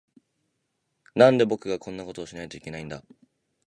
なんで、僕がこんなことをしないといけないんだ。